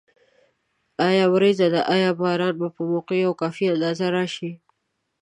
آیا وریځ ده؟ آیا باران به په موقع او کافي اندازه راشي؟